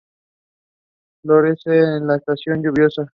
Florece en la estación lluviosa.